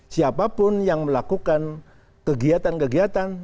siapapun yang melakukan kegiatan kegiatan